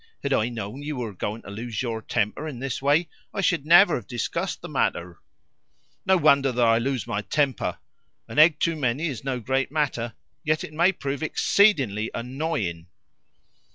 Had I known that you were going to lose your temper in this way, I should never have discussed the matter." "No wonder that I lose my temper! An egg too many is no great matter, yet it may prove exceedingly annoying."